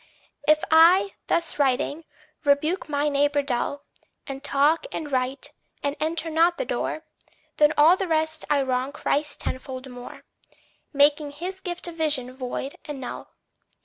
If I, thus writing, rebuke my neighbour dull, And talk, and write, and enter not the door, Than all the rest I wrong Christ tenfold more, Making his gift of vision void and null.